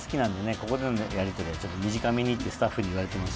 ここでのやりとりはちょっと短めにってスタッフに言われてます。